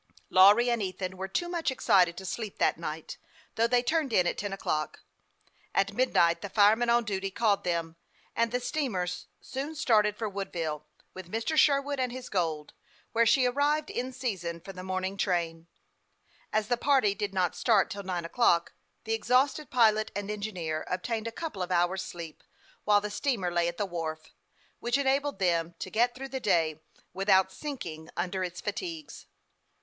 Lawry and Ethan were too much excited to sleep that night, though they turned in at ten o'clock. At midnight the fireman on duty called them, and the steamer soon started for Whitehall with Mr. Sher wood and his gold, where she arrived in season for the morning train. As the party did not start till nine o'clock, the exhausted pilot and engineer obtained a couple of hours' sleep, while the steamer lay at the wharf, which enabled them to get through the day without sinking under its fatigues.